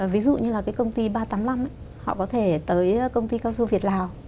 ví dụ như là cái công ty ba trăm tám mươi năm ấy họ có thể tới công ty cao su việt lào